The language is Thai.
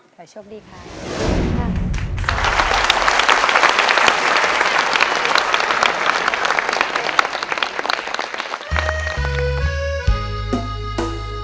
ขอโชคดีครับ